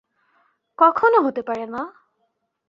কখনো হতে পারে না।